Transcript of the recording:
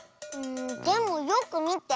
でもよくみて。